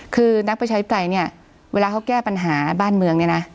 คือนักประชาธิปไตยเวลาเขาแก้ปัญหาบ้านเมือง